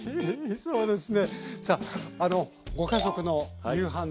そうですね。